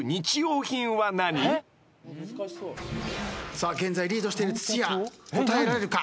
さあ現在リードしている土屋答えられるか。